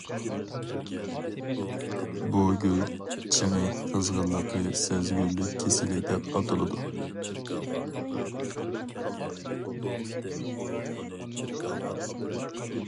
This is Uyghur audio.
بۇ گۈل چېڭى قىزغىنلىقى سەزگۈرلۈك كېسىلى دەپ ئاتىلىدۇ.